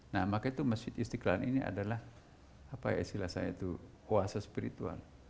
nah maka itu masjid istiqlal ini adalah apa ya istilah saya itu kuasa spiritual